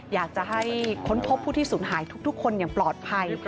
อยากจะให้ค้นพบผู้ที่สูญหายทุกคนอย่างปลอดภัย